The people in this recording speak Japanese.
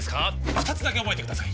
二つだけ覚えてください